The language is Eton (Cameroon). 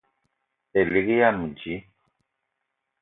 Elig yam dji